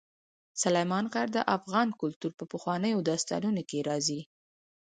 سلیمان غر د افغان کلتور په پخوانیو داستانونو کې راځي.